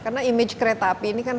karena image kereta api ini kan